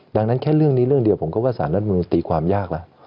ดังนั้นแค่เรื่องนี้เรื่องเดียวผมก็ว่าสารรัฐมนุนตีความยากแล้ว